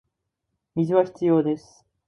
水は必要です